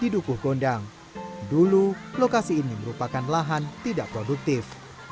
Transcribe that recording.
dulu lokasi ini merupakan lahan tidak produktif